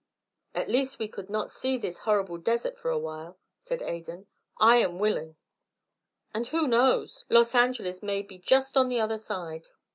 "At least we could not see this horrible desert for a while," said Adan. "I am willing." "And, who knows? Los Angeles may be just on the other side."